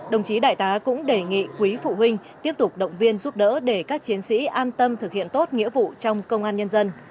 đồng chí đại tá cũng đề nghị quý phụ huynh tiếp tục động viên giúp đỡ để các chiến sĩ an tâm thực hiện tốt nghĩa vụ trong công an nhân dân